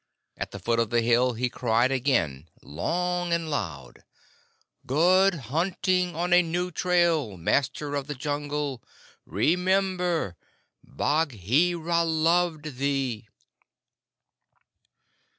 At the foot of the hill he cried again long and loud, "Good hunting on a new trail, Master of the Jungle! Remember, Bagheera loved thee."